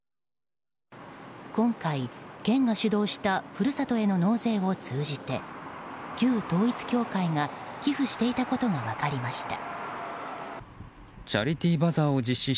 今回、県が主導した故郷への納税を通じて旧統一教会が寄付していたことが分かりました。